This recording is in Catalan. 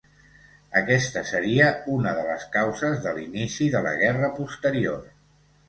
Aquesta seria una de les causes de l'inici de la guerra posterior.